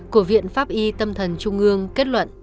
của viện pháp y tâm thần trung ương kết luận